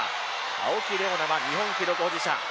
青木玲緒樹は日本記録保持者。